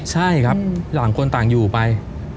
ใช่ครับต่างคนต่างอยู่ไป